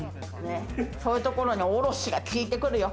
そういうところに、おろしが効いてくるよ。